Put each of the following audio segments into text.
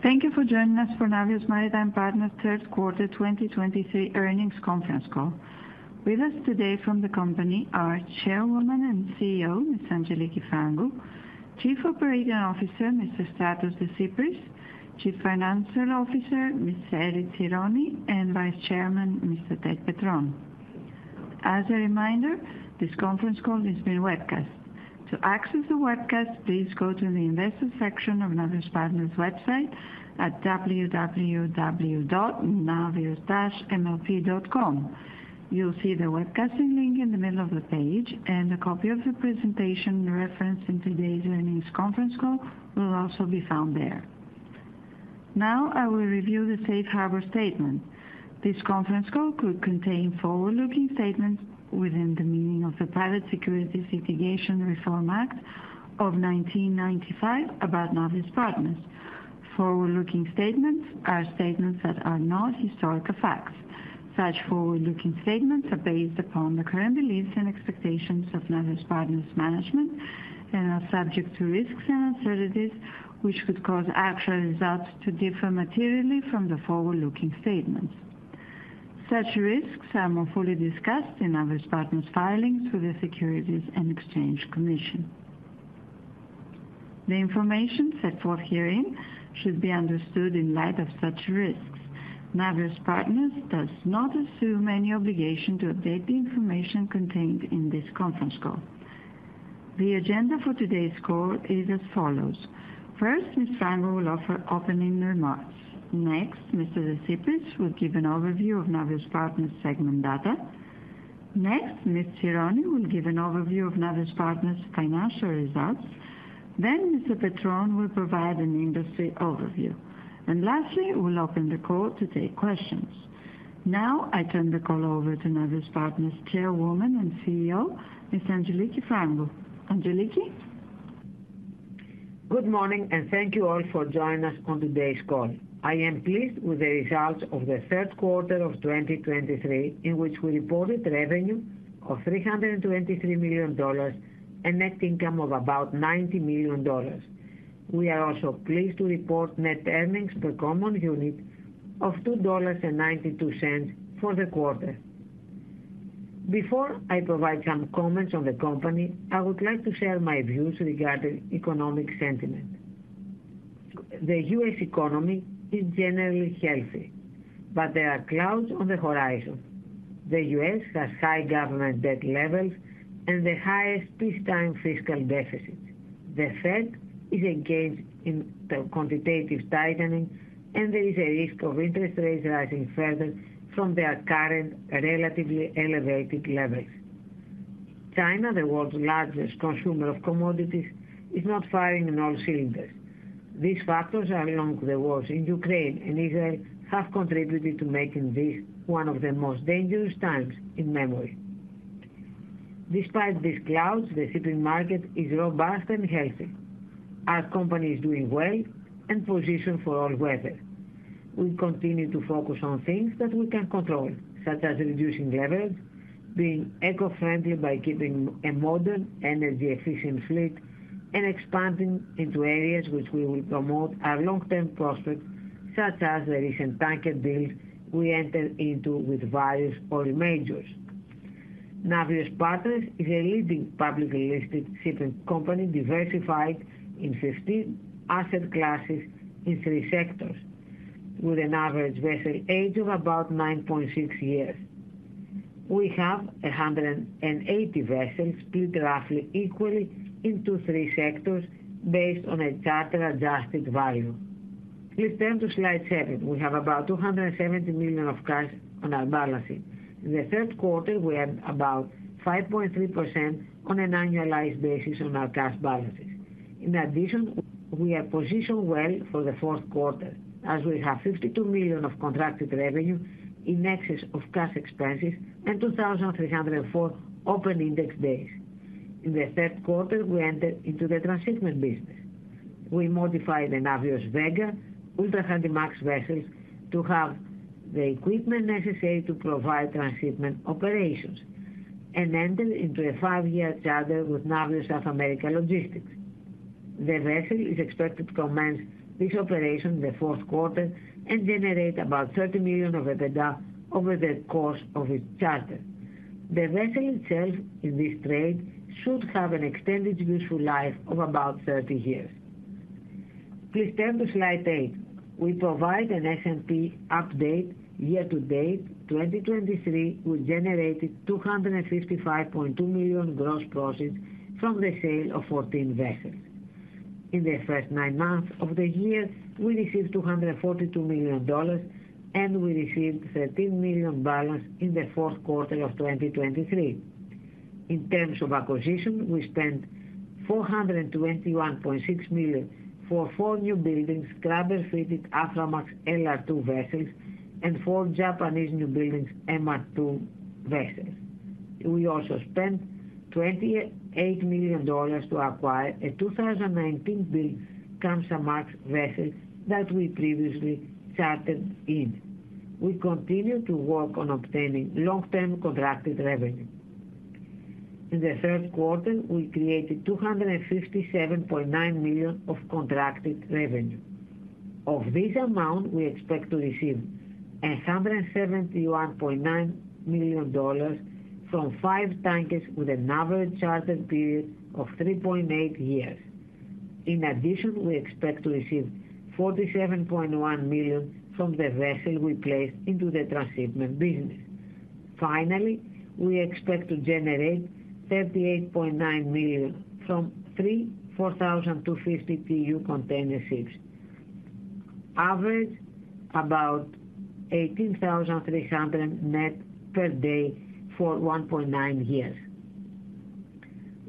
Thank you for joining us for Navios Maritime Partners Q3 2023 earnings conference call. With us today from the company are Chairwoman and CEO, Ms. Angeliki Frangou, Chief Operating Officer, Mr. Stratos Desypris, Chief Financial Officer, Ms. Erifili Tsironi, and Vice Chairman, Mr. Ted Petrone. As a reminder, this conference call is being webcast. To access the webcast, please go to the investor section of Navios Partners website at www.navios-mlp.com. You'll see the webcasting link in the middle of the page, and a copy of the presentation referenced in today's earnings conference call will also be found there. Now, I will review the Safe Harbor statement. This conference call could contain forward-looking statements within the meaning of the Private Securities Litigation Reform Act of 1995 about Navios Partners. Forward-looking statements are statements that are not historical facts. Such forward-looking statements are based upon the current beliefs and expectations of Navios Partners management and are subject to risks and uncertainties which could cause actual results to differ materially from the forward-looking statements. Such risks are more fully discussed in Navios Partners filings with the Securities and Exchange Commission. The information set forth herein should be understood in light of such risks. Navios Partners does not assume any obligation to update the information contained in this conference call. The agenda for today's call is as follows: First, Ms. Frangou will offer opening remarks. Next, Mr. Desypris will give an overview of Navios Partners segment data. Next, Ms. Tsironi will give an overview of Navios Partners financial results. Then Mr. Petrone will provide an industry overview. And lastly, we'll open the call to take questions. Now, I turn the call over to Navios Partners Chairwoman and CEO, Ms. Angeliki Frangou. Angeliki? Good morning, and thank you all for joining us on today's call. I am pleased with the results of the Q3 of 2023, in which we reported revenue of $323 million and net income of about $90 million. We are also pleased to report net earnings per common unit of $2.92 for the quarter. Before I provide some comments on the company, I would like to share my views regarding economic sentiment. The U.S. economy is generally healthy, but there are clouds on the horizon. The U.S. has high government debt levels and the highest peacetime fiscal deficit. The Fed is engaged in quantitative tightening, and there is a risk of interest rates rising further from their current relatively elevated levels. China, the world's largest consumer of commodities, is not firing on all cylinders. These factors, along with the wars in Ukraine and Israel, have contributed to making this one of the most dangerous times in memory. Despite these clouds, the shipping market is robust and healthy. Our company is doing well and positioned for all weather. We continue to focus on things that we can control, such as reducing leverage, being eco-friendly by keeping a modern energy-efficient fleet, and expanding into areas which we will promote our long-term prospects, such as the recent tanker deals we entered into with various oil majors. Navios Partners is a leading publicly listed shipping company, diversified in 15 asset classes in three sectors, with an average vessel age of about 9.6 years. We have 180 vessels split roughly equally into three sectors based on a charter-adjusted value. Please turn to slide 7. We have about $270 million of cash on our balance sheet. In the Q3, we earned about 5.3% on an annualized basis on our cash balances. In addition, we are positioned well for the Q4, as we have $52 million of contracted revenue in excess of cash expenses and 2,304 open index days. In the Q3, we entered into the transshipment business. We modified the Navios Vega Ultra Handymax vessels to have the equipment necessary to provide transshipment operations and entered into a five-year charter with Navios South American Logistics. The vessel is expected to commence this operation in the Q4 and generate about $30 million of EBITDA over the course of its charter. The vessel itself in this trade should have an extended useful life of about 30 years. Please turn to slide 8. We provide an S&P update. Year to date, 2023, we generated $255.2 million gross proceeds from the sale of 14 vessels. In the first nine months of the year, we received $242 million, and we received $13 million balance in the Q4 of 2023. In terms of acquisition, we spent $421.6 million for four new buildings, scrubber-fitted Aframax LR2 vessels and four Japanese new buildings MR2 vessels. We also spent $28 million to acquire a 2019-built Kamsarmax vessel that we previously chartered in. We continue to work on obtaining long-term contracted revenue.... In the Q3, we created $257.9 million of contracted revenue. Of this amount, we expect to receive $171.9 million from five tankers with an average charter period of 3.8 years. In addition, we expect to receive $47.1 million from the vessel we placed into the transshipment business. Finally, we expect to generate $38.9 million from three 4,250 TEU container ships, average about $18,300 net per day for 1.9 years.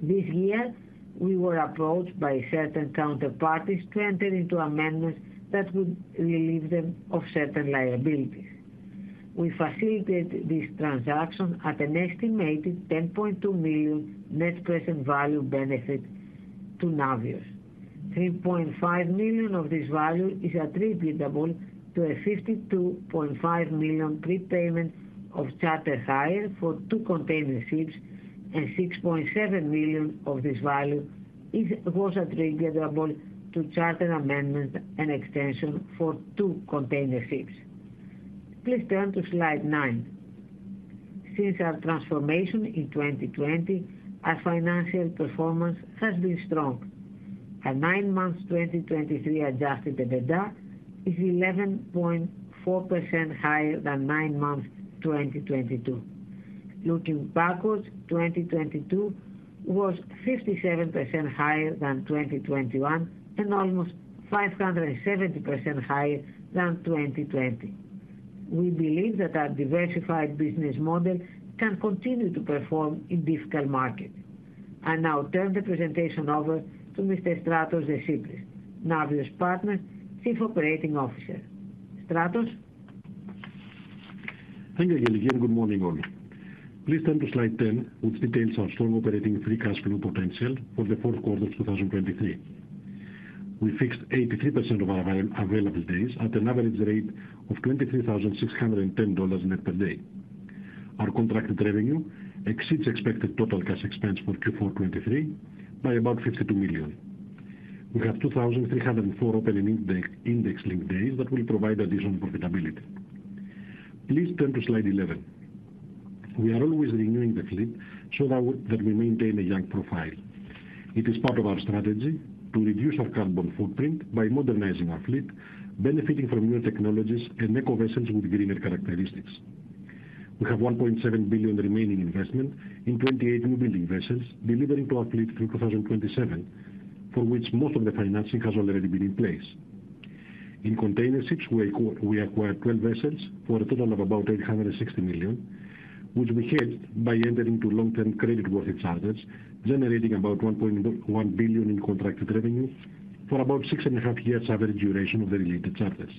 This year, we were approached by certain counterparties to enter into amendments that would relieve them of certain liabilities. We facilitate this transaction at an estimated $10.2 million net present value benefit to Navios. $3.5 million of this value is attributable to a $52.5 million prepayment of charter hire for two container ships, and $6.7 million of this value is, was attributable to charter amendment and extension for two container ships. Please turn to slide 9. Since our transformation in 2020, our financial performance has been strong. Our nine months 2023 adjusted EBITDA is 11.4% higher than nine months 2022. Looking backwards, 2022 was 57% higher than 2021 and almost 570% higher than 2020. We believe that our diversified business model can continue to perform in difficult markets. I now turn the presentation over to Mr. Stratos Desypris, Navios Partners Chief Operating Officer. Stratos? Thank you, Angeliki, and good morning, all. Please turn to slide 10, which details our strong operating free cash flow potential for the Q4 of 2023. We fixed 83% of our available days at an average rate of $23,610 net per day. Our contracted revenue exceeds expected total cash expense for Q4 2023 by about $52 million. We have 2,304 open index, index-linked days that will provide additional profitability. Please turn to slide 11. We are always renewing the fleet so that we maintain a young profile. It is part of our strategy to reduce our carbon footprint by modernizing our fleet, benefiting from newer technologies and eco vessels with greener characteristics. We have $1.7 billion remaining investment in 28 newbuilding vessels delivering to our fleet through 2027, for which most of the financing has already been in place. In container ships, we acquired 12 vessels for a total of about $860 million, which we hedged by entering into long-term creditworthy charters, generating about $1.1 billion in contracted revenue for about 6.5 years average duration of the related charters.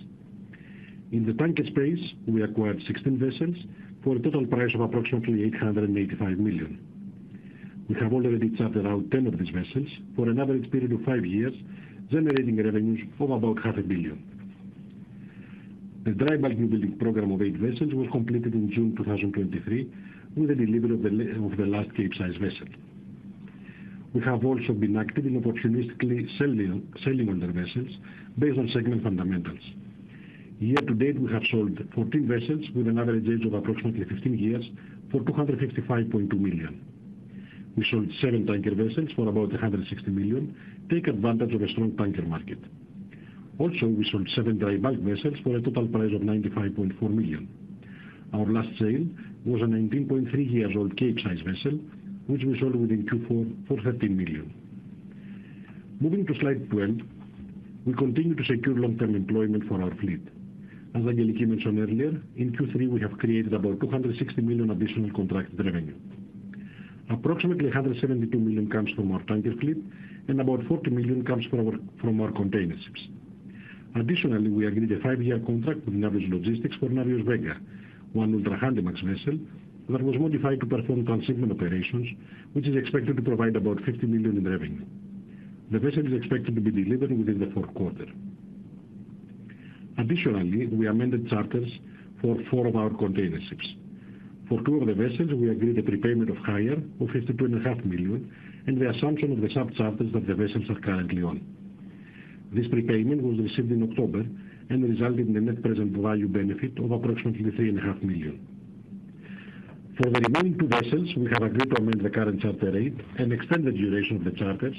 In the tanker space, we acquired 16 vessels for a total price of approximately $885 million. We have already chartered out 10 of these vessels for an average period of five years, generating revenues of about $500 million. The dry bulk newbuilding program of eight vessels was completed in June 2023, with the delivery of the last Capesize vessel. We have also been active in opportunistically selling, selling older vessels based on segment fundamentals. Year to date, we have sold 14 vessels with an average age of approximately 15 years for $255.2 million. We sold seven tanker vessels for about $160 million, take advantage of a strong tanker market. Also, we sold seven dry bulk vessels for a total price of $95.4 million. Our last sale was a 19.3-year-old Capesize vessel, which we sold within Q4 for $13 million. Moving to slide 12. We continue to secure long-term employment for our fleet. As Angeliki mentioned earlier, in Q3, we have created about $260 million additional contracted revenue. Approximately $172 million comes from our tanker fleet, and about $40 million comes from our, from our container ships. Additionally, we agreed a five-year contract with Navios Logistics for Navios Vega, one Ultra Handymax vessel that was modified to perform transshipment operations, which is expected to provide about $50 million in revenue. The vessel is expected to be delivered within the Q4. Additionally, we amended charters for four of our container ships. For two of the vessels, we agreed a prepayment of hire of $52.5 million, and the assumption of the subcharters that the vessels are currently on. This prepayment was received in October and resulted in a net present value benefit of approximately $3.5 million. For the remaining two vessels, we have agreed to amend the current charter rate and extend the duration of the charters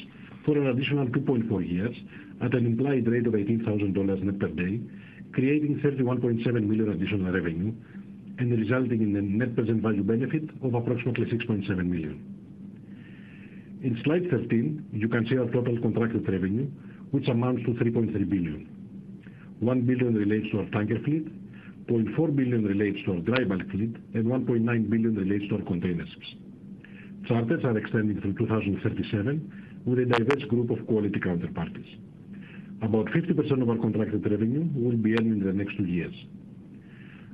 for an additional 2.4 years at an implied rate of $18,000 net per day, creating $31.7 million additional revenue and resulting in a net present value benefit of approximately $6.7 million. In Slide 13, you can see our total contracted revenue, which amounts to $3.3 billion. $1 billion relates to our tanker fleet, $0.4 billion relates to our dry bulk fleet, and $1.9 billion relates to our container ships. Charters are extending through 2037 with a diverse group of quality counterparties. About 50% of our contracted revenue will be earned in the next two years.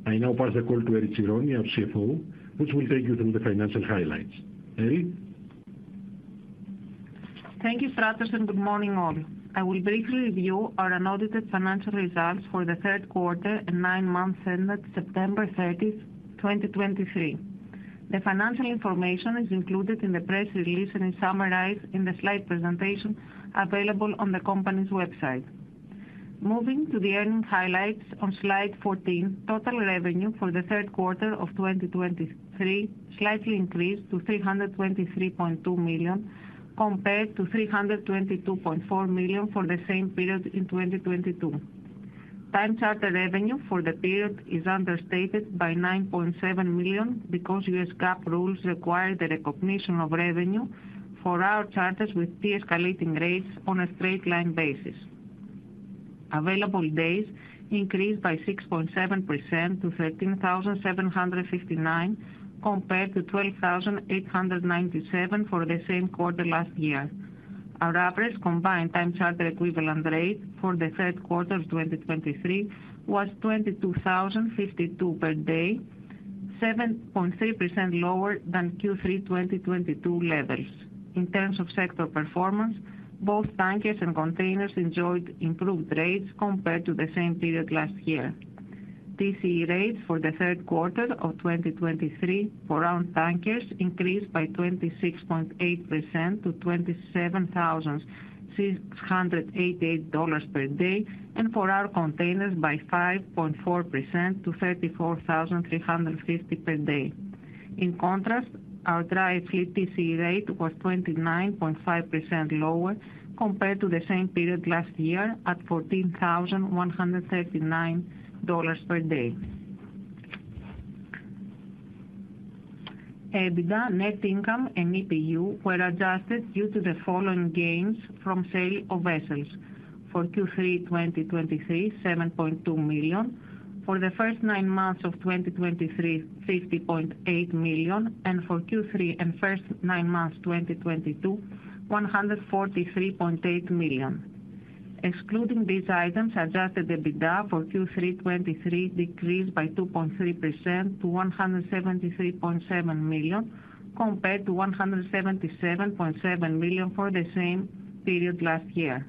I now pass the call to Erifili Tsironi, our CFO, which will take you through the financial highlights. Eri?... Thank you, Stratos, and good morning, all. I will briefly review our unaudited financial results for the Q3 and nine months ended September 30, 2023. The financial information is included in the press release and is summarized in the slide presentation available on the company's website. Moving to the earnings highlights on slide 14, total revenue for the Q3 of 2023 slightly increased to $323.2 million, compared to $322.4 million for the same period in 2022. Time charter revenue for the period is understated by $9.7 million because U.S. GAAP rules require the recognition of revenue for our charters with de-escalating rates on a straight line basis. Available days increased by 6.7% to 13,759, compared to 12,897 for the same quarter last year. Our average combined time charter equivalent rate for the Q3 of 2023 was $22,052 per day, 7.3% lower than Q3 2022 levels. In terms of sector performance, both tankers and containers enjoyed improved rates compared to the same period last year. TCE rates for the Q3 of 2023 for our tankers increased by 26.8% to $27,688 per day, and for our containers by 5.4% to $34,350 per day. In contrast, our dry fleet TCE rate was 29.5% lower compared to the same period last year, at $14,139 per day. EBITDA, net income and EPU were adjusted due to the following gains from sale of vessels. For Q3 2023, $7.2 million. For the first nine months of 2023, $50.8 million, and for Q3 and first nine months 2022, $143.8 million. Excluding these items, adjusted EBITDA for Q3 2023 decreased by 2.3% to $173.7 million, compared to $177.7 million for the same period last year.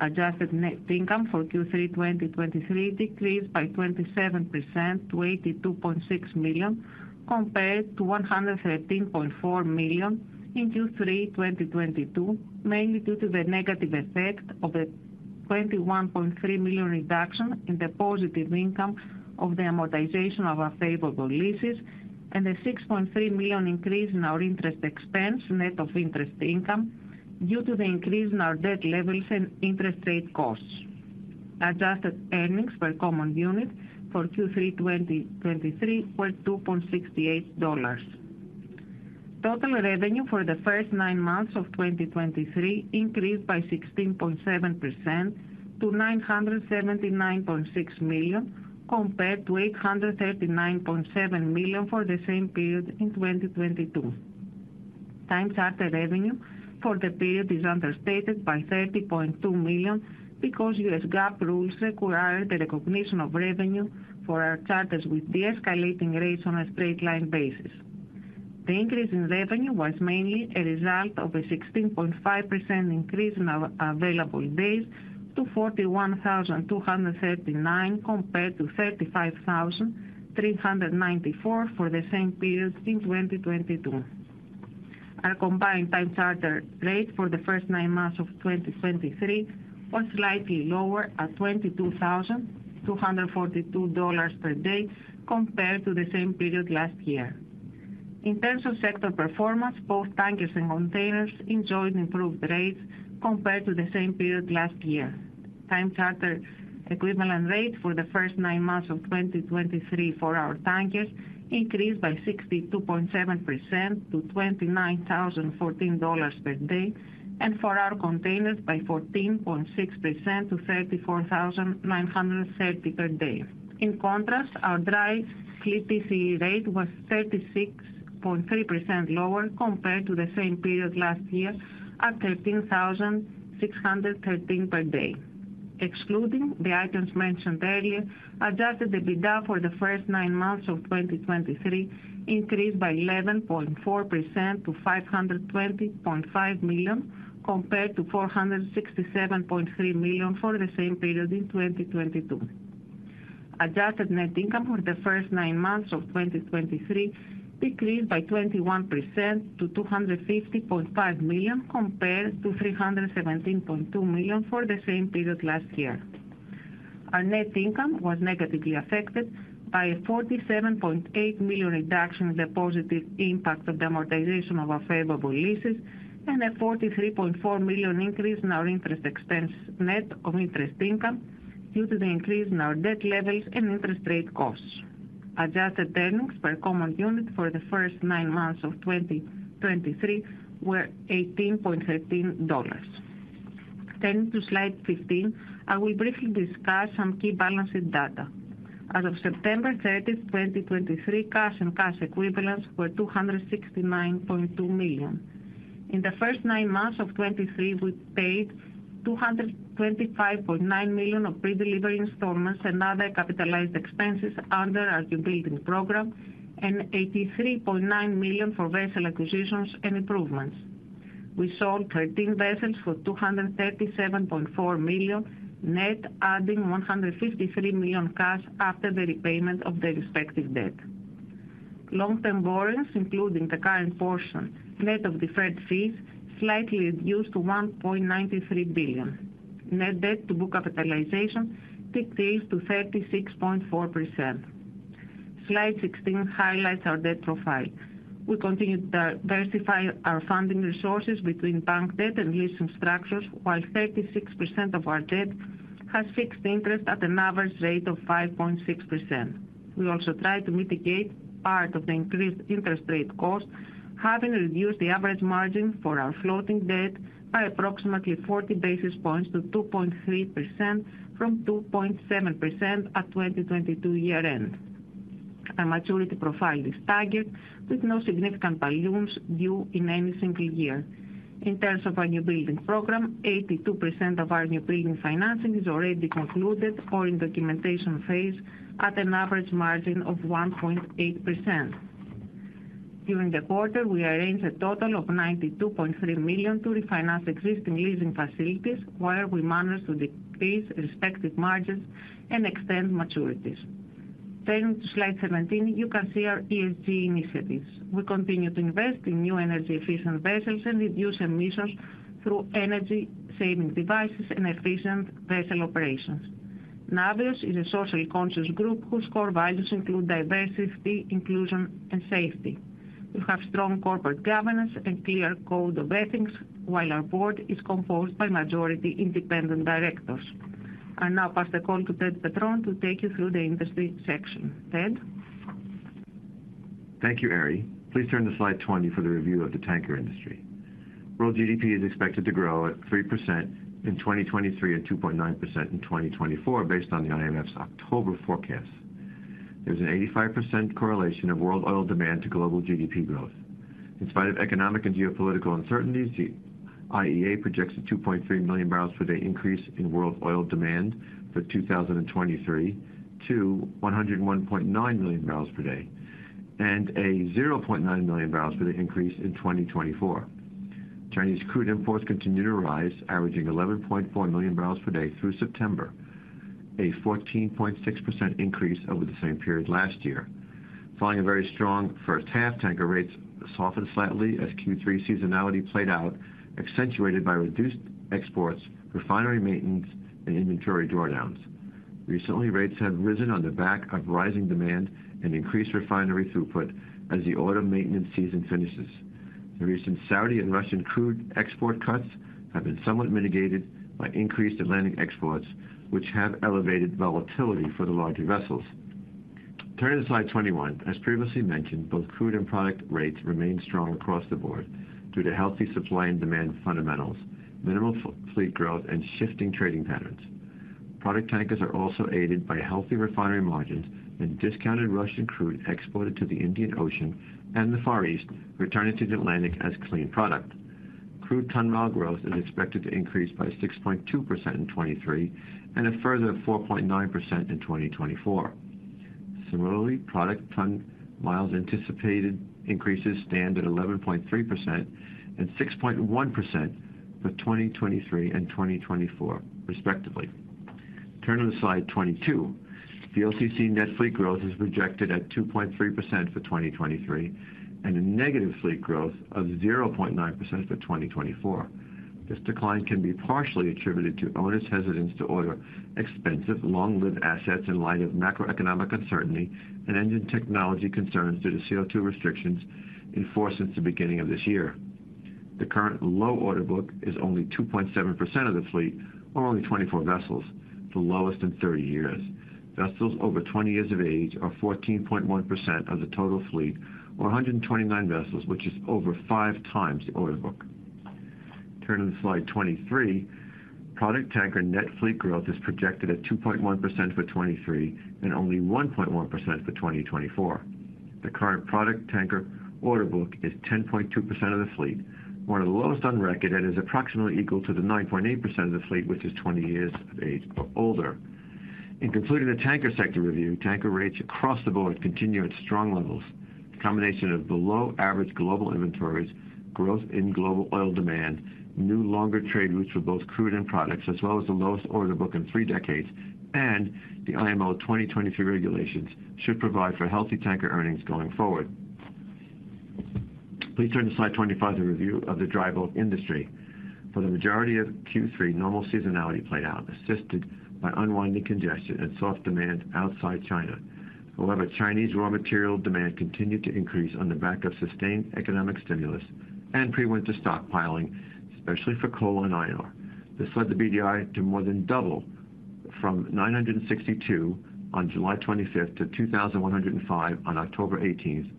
Adjusted net income for Q3 2023 decreased by 27% to $82.6 million, compared to $113.4 million in Q3 2022, mainly due to the negative effect of a $21.3 million reduction in the positive income of the amortization of unfavorable leases, and a $6.3 million increase in our interest expense, net of interest income, due to the increase in our debt levels and interest rate costs. Adjusted earnings per common unit for Q3 2023 were $2.68. Total revenue for the first nine months of 2023 increased by 16.7% to $979.6 million, compared to $839.7 million for the same period in 2022. Time charter revenue for the period is understated by $30.2 million, because U.S. GAAP rules require the recognition of revenue for our charters with de-escalating rates on a straight line basis. The increase in revenue was mainly a result of a 16.5% increase in our available days to 41,239, compared to 35,394 for the same period in 2022. Our combined time charter rate for the first nine months of 2023 was slightly lower at $22,242 per day, compared to the same period last year. In terms of sector performance, both tankers and containers enjoyed improved rates compared to the same period last year. Time Charter Equivalent rate for the first nine months of 2023 for our tankers increased by 62.7% to $29,014 per day, and for our containers by 14.6% to $34,930 per day. In contrast, our dry fleet TCE rate was 36.3% lower compared to the same period last year, at $13,613 per day. Excluding the items mentioned earlier, adjusted EBITDA for the first nine months of 2023 increased by 11.4% to $520.5 million, compared to $467.3 million for the same period in 2022. Adjusted net income for the first nine months of 2023 decreased by 21% to $250.5 million, compared to $317.2 million for the same period last year. Our net income was negatively affected by a $47.8 million reduction in the positive impact of the amortization of unfavorable leases, and a $43.4 million increase in our interest expense, net of interest income, due to the increase in our debt levels and interest rate costs. Adjusted earnings per common unit for the first nine months of 2023 were $18.13. Turning to slide 15, I will briefly discuss some key balancing data. As of September 30, 2023, cash and cash equivalents were $269.2 million. In the first nine months of 2023, we paid $225.9 million of pre-delivery installments and other capitalized expenses under our building program, and $83.9 million for vessel acquisitions and improvements. We sold 13 vessels for $237.4 million, net adding $153 million cash after the repayment of the respective debt. Long-term borrowings, including the current portion, net of deferred fees, slightly reduced to $1.93 billion. Net debt to book capitalization decreased to 36.4%. Slide 16 highlights our debt profile. We continue to diversify our funding resources between bank debt and leasing structures, while 36% of our debt has fixed interest at an average rate of 5.6%. We also try to mitigate part of the increased interest rate cost, having reduced the average margin for our floating debt by approximately 40 basis points to 2.3% from 2.7% at 2022 year-end. Our maturity profile is staggered, with no significant balloons due in any single year. In terms of our new building program, 82% of our new building financing is already concluded or in documentation phase at an average margin of 1.8%. During the quarter, we arranged a total of $92.3 million to refinance existing leasing facilities, where we managed to decrease respective margins and extend maturities. Turning to slide 17, you can see our ESG initiatives. We continue to invest in new energy efficient vessels and reduce emissions through energy-saving devices and efficient vessel operations. Navios is a socially conscious group whose core values include diversity, inclusion, and safety. We have strong corporate governance and clear code of ethics, while our board is composed by majority independent directors. I now pass the call to Ted Petrone to take you through the industry section. Ted? Thank you, Eri. Please turn to slide 20 for the review of the tanker industry. World GDP is expected to grow at 3% in 2023 and 2.9% in 2024, based on the IMF's October forecast. There's an 85% correlation of world oil demand to global GDP growth. In spite of economic and geopolitical uncertainties, the IEA projects a 2.3 million barrels per day increase in world oil demand for 2023 to 101.9 million barrels per day, and a 0.9 million barrels per day increase in 2024. Chinese crude imports continued to rise, averaging 11.4 million barrels per day through September, a 14.6% increase over the same period last year. Following a very strong H1, tanker rates softened slightly as Q3 seasonality played out, accentuated by reduced exports, refinery maintenance and inventory drawdowns. Recently, rates have risen on the back of rising demand and increased refinery throughput as the autumn maintenance season finishes. The recent Saudi and Russian crude export cuts have been somewhat mitigated by increased Atlantic exports, which have elevated volatility for the larger vessels. Turning to slide 21, as previously mentioned, both crude and product rates remain strong across the board due to healthy supply and demand fundamentals, minimal fleet growth and shifting trading patterns. Product tankers are also aided by healthy refinery margins and discounted Russian crude exported to the Indian Ocean and the Far East, returning to the Atlantic as clean product. Crude ton mile growth is expected to increase by 6.2% in 2023, and a further 4.9% in 2024. Similarly, product ton miles anticipated increases stand at 11.3% and 6.1% for 2023 and 2024 respectively. Turning to slide 22, VLCC net fleet growth is projected at 2.3% for 2023, and a negative fleet growth of 0.9% for 2024. This decline can be partially attributed to owners' hesitance to order expensive, long-lived assets in light of macroeconomic uncertainty and engine technology concerns due to CO2 restrictions in force since the beginning of this year. The current low order book is only 2.7% of the fleet, or only 24 vessels, the lowest in 30 years. Vessels over 20 years of age are 14.1% of the total fleet, or 129 vessels, which is over 5x the order book. Turning to slide 23, product tanker net fleet growth is projected at 2.1% for 2023 and only 1.1% for 2024. The current product tanker order book is 10.2% of the fleet, one of the lowest on record, and is approximately equal to the 9.8% of the fleet, which is 20 years of age or older. In concluding the tanker sector review, tanker rates across the board continue at strong levels. The combination of the low average global inventories, growth in global oil demand, new longer trade routes for both crude and products, as well as the lowest order book in three decades, and the IMO 2022 regulations should provide for healthy tanker earnings going forward. Please turn to slide 25, the review of the dry bulk industry. For the majority of Q3, normal seasonality played out, assisted by unwinding congestion and soft demand outside China. However, Chinese raw material demand continued to increase on the back of sustained economic stimulus and pre-winter stockpiling, especially for coal and iron ore. This led the BDI to more than double from 962 on July 25th to 2,105 on October 18th.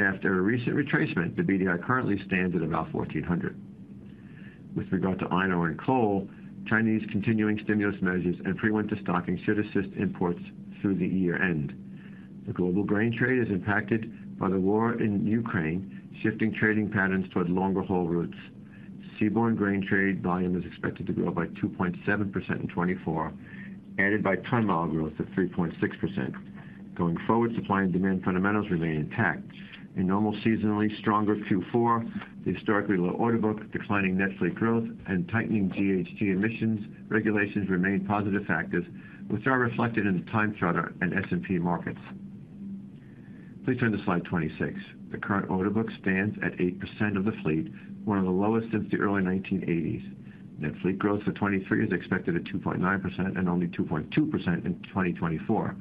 After a recent retracement, the BDI currently stands at about 1,400. With regard to iron ore and coal, Chinese continuing stimulus measures and pre-winter stocking should assist imports through the year-end. The global grain trade is impacted by the war in Ukraine, shifting trading patterns toward longer haul routes. Seaborne grain trade volume is expected to grow by 2.7% in 2024, added by ton mile growth of 3.6%.... Going forward, supply and demand fundamentals remain intact. A normal seasonally stronger Q4, the historically low order book, declining net fleet growth, and tightening GHG emissions regulations remain positive factors, which are reflected in the Time Charter and S&P markets. Please turn to slide 26. The current order book stands at 8% of the fleet, one of the lowest since the early 1980s. Net fleet growth for 2023 is expected at 2.9% and only 2.2% in 2024,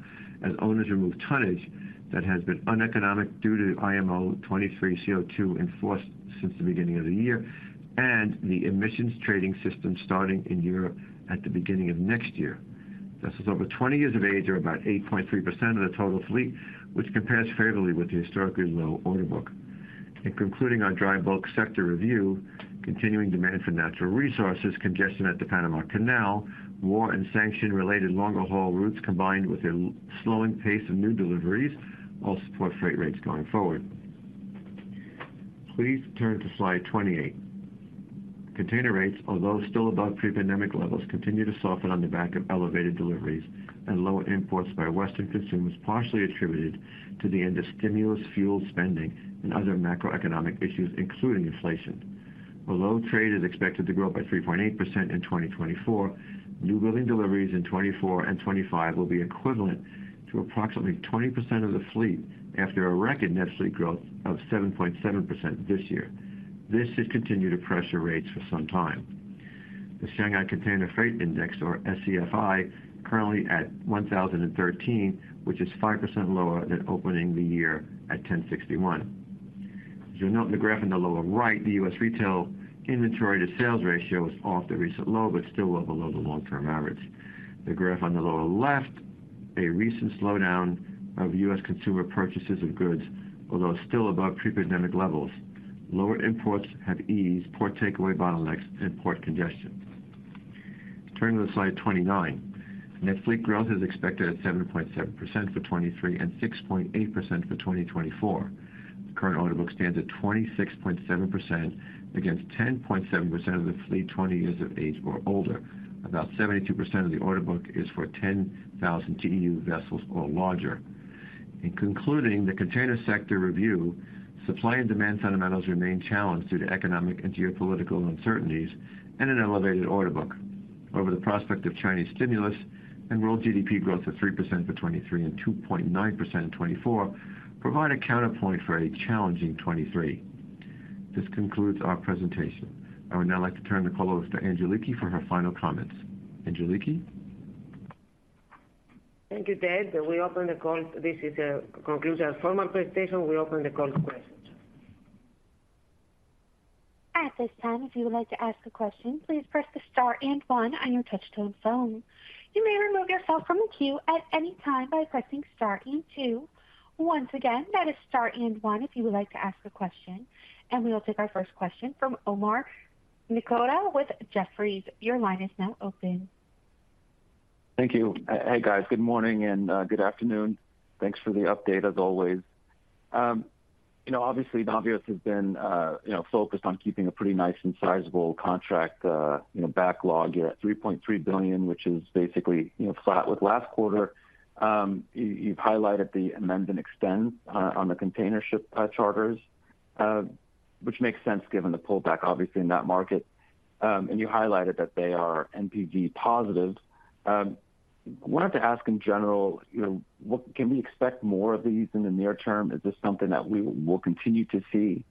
as owners remove tonnage that has been uneconomic due to IMO 2023 CO2, enforced since the beginning of the year, and the Emissions Trading System starting in Europe at the beginning of next year. Vessels over 20 years of age are about 8.3% of the total fleet, which compares favorably with the historically low order book. In concluding our dry bulk sector review, continuing demand for natural resources, congestion at the Panama Canal, war and sanction-related longer haul routes, combined with a slowing pace of new deliveries, all support freight rates going forward. Please turn to slide 28. Container rates, although still above pre-pandemic levels, continue to soften on the back of elevated deliveries and lower imports by Western consumers, partially attributed to the end of stimulus-fueled spending and other macroeconomic issues, including inflation. Although trade is expected to grow by 3.8% in 2024, new building deliveries in 2024 and 2025 will be equivalent to approximately 20% of the fleet after a record net fleet growth of 7.7% this year. This should continue to pressure rates for some time. The Shanghai Container Freight Index, or SCFI, currently at 1,013, which is 5% lower than opening the year at 1,061. As you note in the graph in the lower right, the U.S. retail inventory to sales ratio is off the recent low, but still well below the long-term average. The graph on the lower left, a recent slowdown of U.S. consumer purchases of goods, although still above pre-pandemic levels. Lower imports have eased port takeaway bottlenecks and port congestion. Turning to slide 29. Net fleet growth is expected at 7.7% for 2023 and 6.8% for 2024. The current order book stands at 26.7% against 10.7% of the fleet, 20 years of age or older. About 72% of the order book is for 10,000 TEU vessels or larger. In concluding the container sector review, supply and demand fundamentals remain challenged due to economic and geopolitical uncertainties and an elevated order book. Over the prospect of Chinese stimulus and world GDP growth of 3% for 2023 and 2.9% in 2024 provide a counterpoint for a challenging 2023. This concludes our presentation. I would now like to turn the call over to Angeliki for her final comments. Angeliki? Thank you, Ted. We open the call. This is, concludes our formal presentation. We open the call to questions. At this time, if you would like to ask a question, please press the star and one on your touchtone phone. You may remove yourself from the queue at any time by pressing star and two. Once again, that is star and one if you would like to ask a question. And we will take our first question from Omar Nokta with Jefferies. Your line is now open. Thank you. Hey, guys, good morning and good afternoon. Thanks for the update, as always. You know, obviously, Navios has been, you know, focused on keeping a pretty nice and sizable contract, you know, backlog here at $3.3 billion, which is basically, you know, flat with last quarter. You've highlighted the amend and extend on the container ship charters, which makes sense given the pullback, obviously, in that market. And you highlighted that they are NPV positive. Wanted to ask in general, you know, what-- can we expect more of these in the near term? Is this something that we will continue to see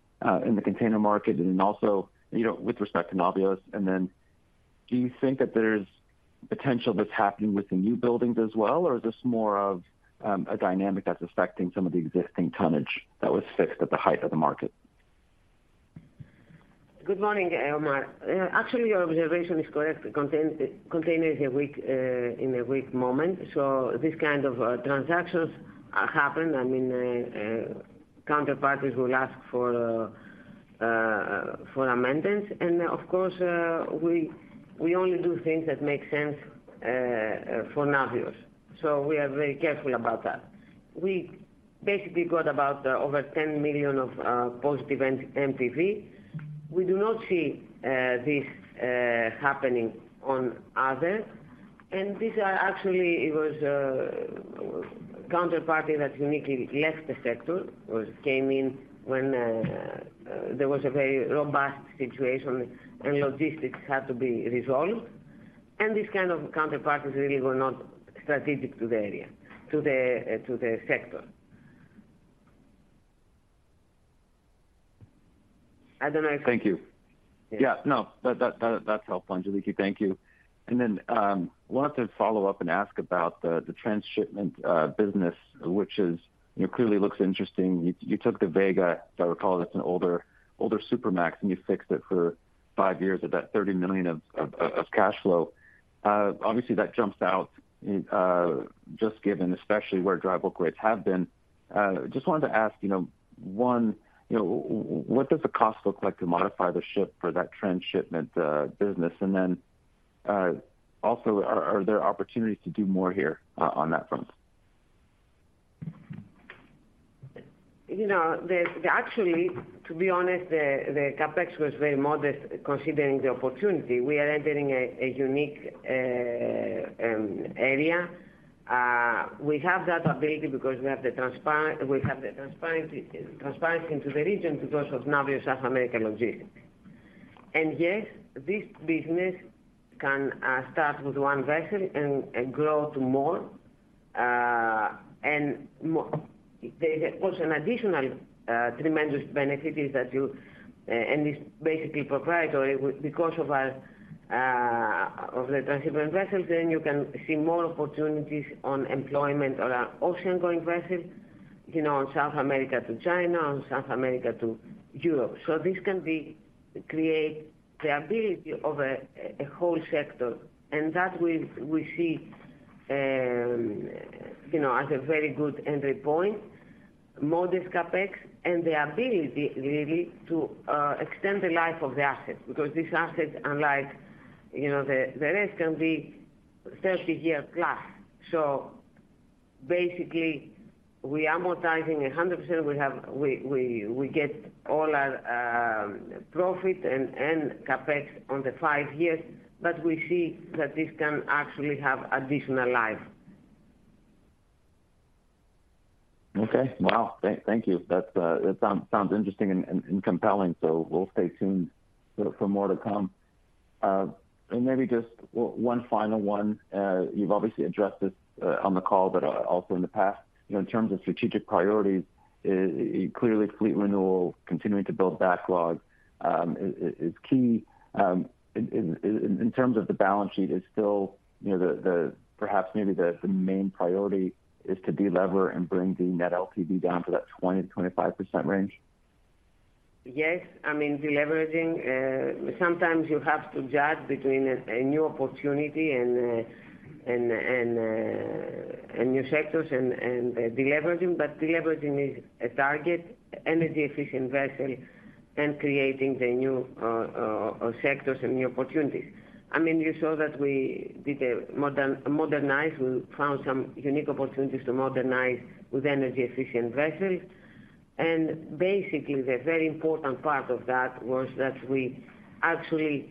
in the container market? And then also, you know, with respect to Navios, and then do you think that there's potential that's happening with the new buildings as well, or is this more of, a dynamic that's affecting some of the existing tonnage that was fixed at the height of the market? Good morning, Omar. Actually, your observation is correct. The container is a weak, in a weak moment, so these kind of transactions happen. I mean, counterparties will ask for for amendments. And of course, we, we only do things that make sense for Navios, so we are very careful about that. We basically got about over $10 million of post-event NPV. We do not see this happening on others. And these are actually, it was a counterparty that uniquely left the sector, or came in when there was a very robust situation and logistics had to be resolved. And this kind of counterparties really were not strategic to the area, to the to the sector. I don't know if- Thank you. Yeah, no, that's helpful, Angeliki. Thank you. And then wanted to follow up and ask about the transshipment business, which is, you know, clearly looks interesting. You took the Vega, if I recall, that's an older Supramax, and you fixed it for five years at that $30 million of cash flow. Obviously, that jumps out, just given especially where dry bulk rates have been. Just wanted to ask, you know, what does the cost look like to modify the ship for that transshipment business? And then also, are there opportunities to do more here on that front? You know, actually, to be honest, the CapEx was very modest considering the opportunity. We are entering a unique area. We have that ability because we have the transparency into the region because of Navios South American Logistics. And yes, this business can start with one vessel and grow to more. There is also an additional tremendous benefit, and it's basically proprietary because of our transshipment vessels, then you can see more opportunities on employment on our oceangoing vessels, you know, on South America to China, on South America to Europe. So this can create the ability of a whole sector, and that we see, you know, as a very good entry point, modest CapEx, and the ability really to extend the life of the assets. Because these assets, unlike, you know, the rest, can be 30-year plus. So basically, we are amortizing 100%. We get all our profit and CapEx on the 5 years, but we see that this can actually have additional life. Okay. Wow! Thank you. That sounds interesting and compelling, so we'll stay tuned for more to come. Maybe just one final one. You've obviously addressed this on the call, but also in the past. You know, in terms of strategic priorities, clearly fleet renewal, continuing to build backlog, is key. In terms of the balance sheet, is still, you know, the perhaps maybe the main priority is to delever and bring the net LTV down to that 20%-25% range? Yes. I mean, deleveraging, sometimes you have to judge between a new opportunity and new sectors and deleveraging. But deleveraging is a target, energy efficient vessel, and creating the new sectors and new opportunities. I mean, you saw that we did a modernize. We found some unique opportunities to modernize with energy efficient vessels. And basically, the very important part of that was that we actually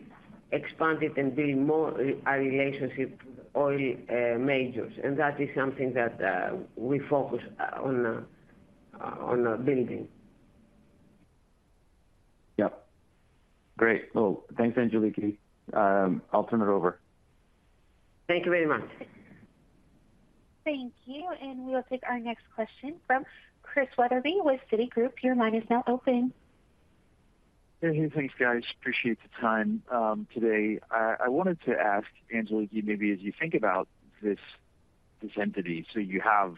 expanded and build more our relationship with oil majors, and that is something that we focus on on building. Yep. Great. Well, thanks, Angeliki. I'll turn it over. Thank you very much. Thank you, and we will take our next question from Chris Wetherbee with Citigroup. Your line is now open. Hey, thanks, guys. Appreciate the time today. I wanted to ask, Angeliki, maybe as you think about this, this entity, so you have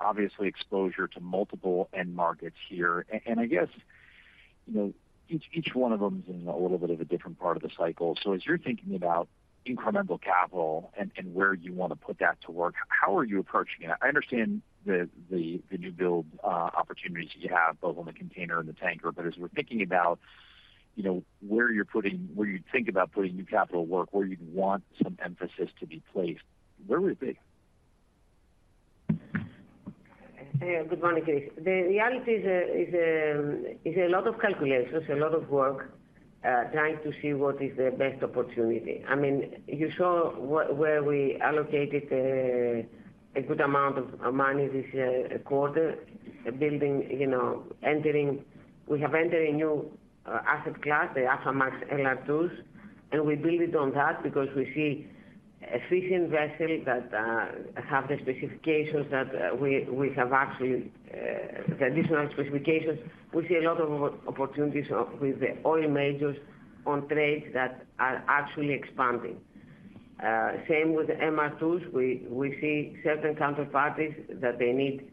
obviously exposure to multiple end markets here. And I guess, you know, each one of them is in a little bit of a different part of the cycle. So as you're thinking about incremental capital and where you want to put that to work, how are you approaching it? I understand the new build opportunities you have, both on the container and the tanker. But as we're thinking about, you know, where you're putting, where you think about putting new capital to work, where you'd want some emphasis to be placed, where would it be? Good morning, Chris. The reality is a lot of calculations, a lot of work, trying to see what is the best opportunity. I mean, you saw where we allocated a good amount of money this quarter, building, you know, entering... We have entered a new asset class, the Aframax LR2s, and we build it on that because we see efficient vessels that have the specifications that we have actually, the additional specifications. We see a lot of opportunities with the oil majors on trades that are actually expanding. Same with MR2s. We see certain counterparties that they need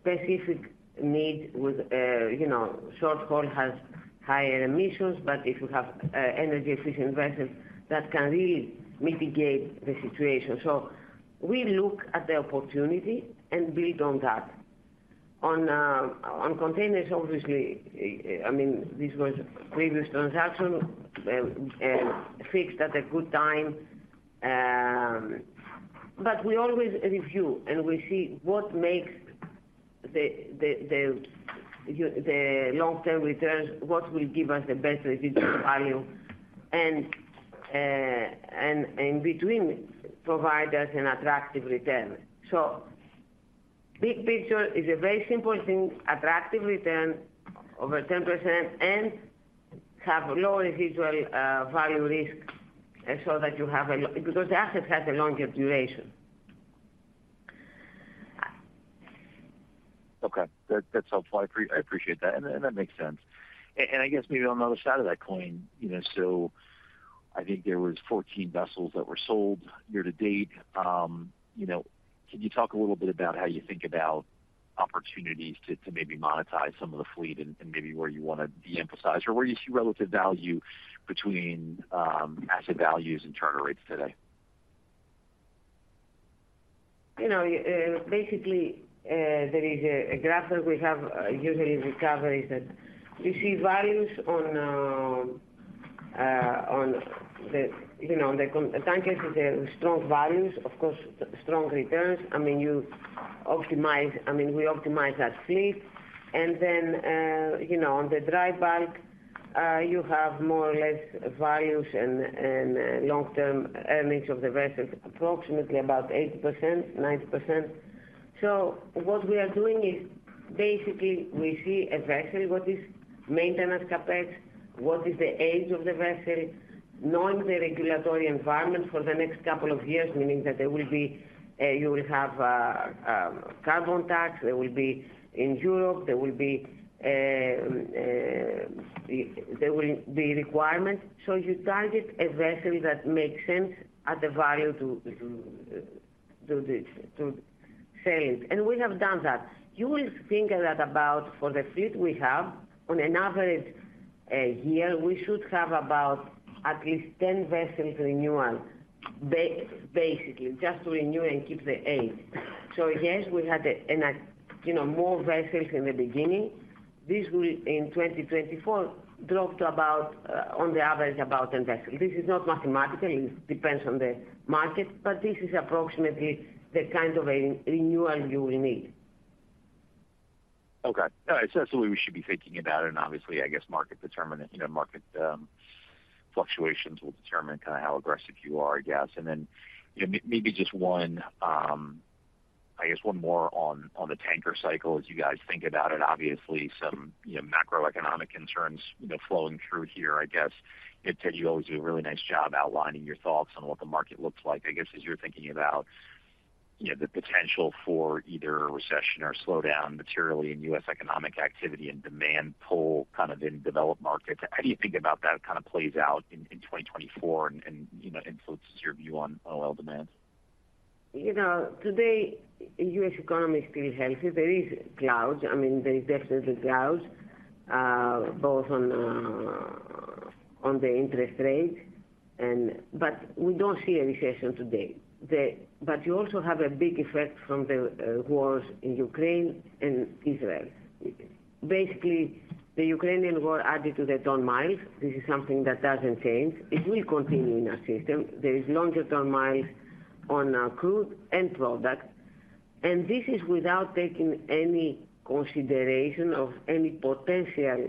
specific needs with, you know, short haul has higher emissions, but if you have energy efficient vessels, that can really mitigate the situation. So we look at the opportunity and build on that. On containers, obviously, I mean, this was a previous transaction, fixed at a good time. But we always review, and we see what makes the long-term returns, what will give us the best residual value, and between providers an attractive return. So big picture is a very simple thing, attractive return over 10% and have low residual value risk, so that you have a long because the asset has a long duration. Okay. That's helpful. I appreciate that, and that makes sense. And I guess maybe on the other side of that coin, you know, so I think there was 14 vessels that were sold year to date. You know, can you talk a little bit about how you think about opportunities to maybe monetize some of the fleet and maybe where you want to de-emphasize or where you see relative value between asset values and charter rates today? You know, basically, there is a graph that we have, usually recoveries, that we see values on, on the, you know, on the tankers with the strong values, of course, strong returns. I mean, you optimize, I mean, we optimize our fleet, and then, you know, on the dry bulk, you have more or less values and long-term earnings of the vessels, approximately about 80%, 9%. So what we are doing is, basically we see a vessel, what is maintenance CapEx? What is the age of the vessel? Knowing the regulatory environment for the next couple of years, meaning that there will be, you will have, carbon tax, there will be in Europe, there will be requirements. So you target a vessel that makes sense at the value to sell it, and we have done that. You will think that about for the fleet we have, on an average year, we should have about at least 10 vessels renewal, basically, just to renew and keep the age. So yes, we had, you know, more vessels in the beginning. This will, in 2024, drop to about, on the average, about 10 vessels. This is not mathematically, it depends on the market, but this is approximately the kind of a renewal you will need. Okay. So that's the way we should be thinking about it. And obviously, I guess market determinant, you know, market fluctuations will determine kind of how aggressive you are, I guess. And then, you know, maybe just one, I guess one more on the tanker cycle as you guys think about it. Obviously, some, you know, macroeconomic concerns, you know, flowing through here. I guess, you tend to always do a really nice job outlining your thoughts on what the market looks like. I guess, as you're thinking about, you know, the potential for either a recession or slowdown materially in U.S. economic activity and demand pull kind of in developed markets, how do you think about that kind of plays out in 2024 and, you know, influences your view on oil demand? You know, today, U.S. economy is still healthy. There is clouds. I mean, there is definitely clouds both on the interest rates and... But we don't see a recession today. But you also have a big effect from the wars in Ukraine and Israel. Basically, the Ukrainian war added to the ton miles. This is something that doesn't change. It will continue in our system. There is longer ton miles on our crude and product, and this is without taking any consideration of any potential,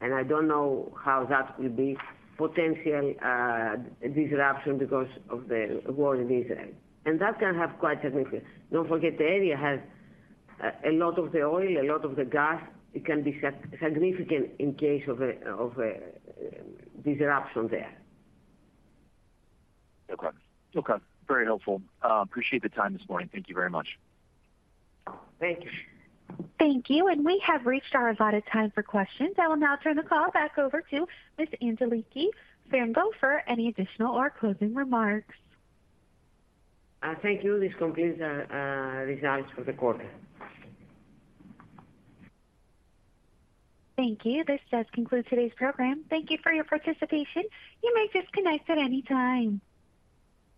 and I don't know how that will be, potential disruption because of the war in Israel. And that can have quite significant. Don't forget, the area has a lot of the oil, a lot of the gas. It can be significant in case of a disruption there. Okay. Okay, very helpful. Appreciate the time this morning. Thank you very much. Thank you. Thank you. We have reached our allotted time for questions. I will now turn the call back over to Ms. Angeliki Frangou for any additional or closing remarks. Thank you. This concludes our results for the quarter. Thank you. This does conclude today's program. Thank you for your participation. You may disconnect at any time.